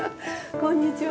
こんにちは。